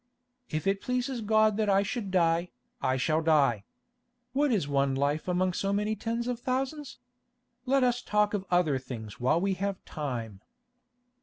"If it pleases God that I should die, I shall die. What is one life among so many tens of thousands? Let us talk of other things while we have time."